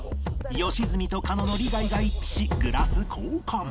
良純と狩野の利害が一致しグラス交換